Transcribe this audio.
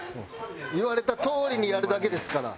言われたとおりにやるだけですから。